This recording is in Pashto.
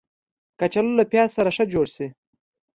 کچالو له پیاز سره ښه جوړ شي